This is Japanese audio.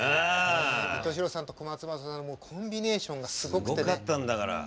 伊東四朗さんと小松さんのコンビネーションがすごくてね。